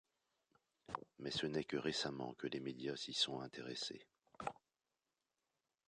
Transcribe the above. Mais ce n'est que récemment que les médias s'y sont intéressés.